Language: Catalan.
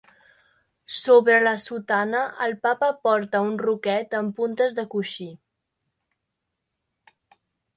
Sobre la sotana el Papa porta un roquet amb puntes de coixí.